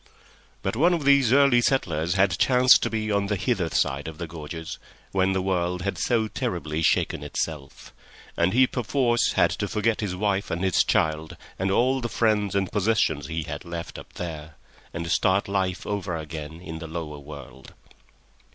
But one of these early settlers had chanced to be on the hither side of the gorges when the world had so terribly shaken itself, and he perforce had to forget his wife and his child and all the friends and possessions he had left up there, and start life over again in the lower world.